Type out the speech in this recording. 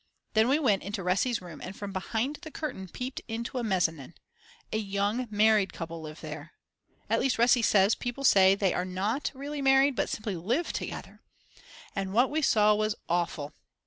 Then we went into Resi's room and from behind the curtain peeped into the mezzanin. A young married couple live there!!! At least Resi says people say they are not really married, but simply live together!!!! And what we saw was awful.